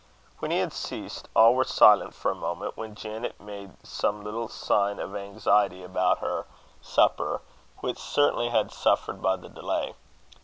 When he had ceased, all were silent for a moment, when Janet made some little sign of anxiety about her supper, which certainly had suffered by the delay.